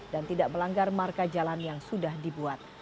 dan tidak melanggar marka jalan yang sudah dibuat